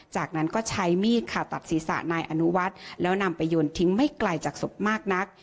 จากนั้นก็ใช้มีดค่ะตัดศีรษะนายอนุวัฒน์แล้วนำไปโยนทิ้งไม่ไกลจากศพมากนัก